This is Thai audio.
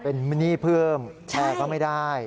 เป็นหนี้เพิ่มแชร์ก็ไม่ได้